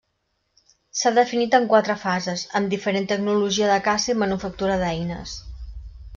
S'ha definit en quatre fases, amb diferent tecnologia de caça i manufactura d'eines.